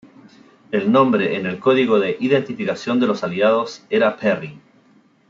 El nombre en el código de identificación de los aliados era "Perry".